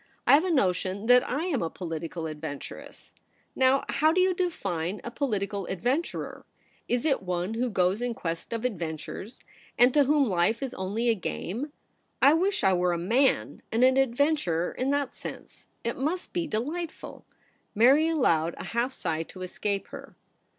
I have a notion that I am a political adventuress. Now, how do you define a i82 THE REBEL ROSE. political adventurer ? Is it one who goes in quest of adventures, and to whom life is only a game ? I wish I were a man, and an adventurer in that sense. It must be de lightful.' Mary allowed a half sigh to escape her.